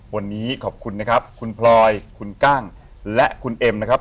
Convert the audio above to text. วันนี้ขอบคุณนะครับคุณพลอยคุณกั้งและคุณเอ็มนะครับ